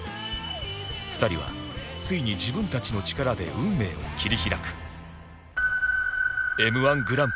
２人はついに自分たちの力で運命を切り開く！